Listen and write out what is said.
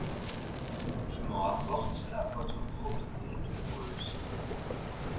Je m'en rapporte à votre probité de joueuse.